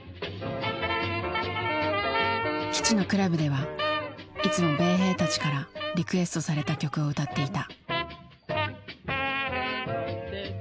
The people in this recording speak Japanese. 基地のクラブではいつも米兵たちからリクエストされた曲を歌っていた。